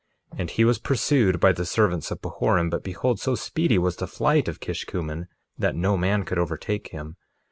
1:10 And he was pursued by the servants of Pahoran; but behold, so speedy was the flight of Kishkumen that no man could overtake him.